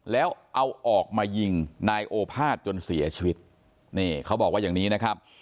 แล้วเอาออกมายิงนายโอภาษจนเสียชีวิตนี่เขาบอกว่าอย่างนี้นะครับ